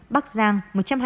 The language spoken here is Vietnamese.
bắc giang một trăm hai mươi tám